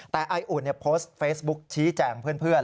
แต่ไออุ่นโพสต์เฟซบุ๊กชี้แจงเพื่อน